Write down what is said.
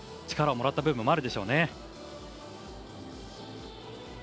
力をもらった部分もあるでしょうね。